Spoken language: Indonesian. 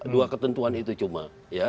dua ketentuan itu cuma